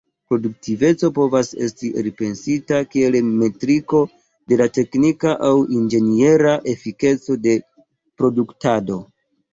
Produktiveco povas esti elpensita kiel metriko de la teknika aŭ inĝeniera efikeco de produktado.